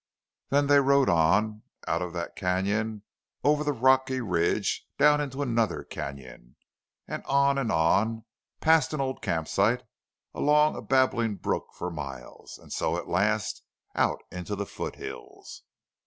Then they rode on, out of that canon, over the rocky ridge, down into another canon, on and on, past an old camp site, along a babbling brook for miles, and so at last out into the foot hills.